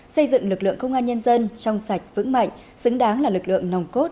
xây dựng lực lượng công an nhân dân trong sạch vững mạnh xứng đáng là lực lượng nòng cốt